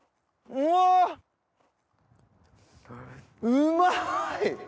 うまい！